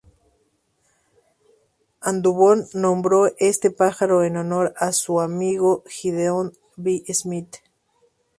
Audubon nombró este pájaro en honor a su amigo Gideon B. Smith.